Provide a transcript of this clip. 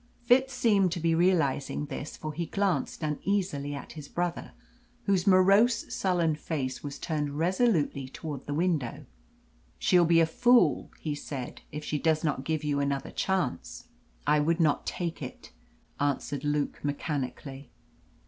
Fitz seemed to be realising this, for he glanced uneasily at his brother, whose morose, sullen face was turned resolutely towards the window. "She'll be a fool," he said, "if she does not give you another chance." "I would not take it," answered Luke mechanically.